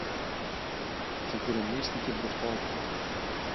και γκρεμίστηκε μπροστά του.